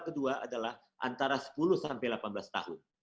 kedua adalah antara sepuluh sampai delapan belas tahun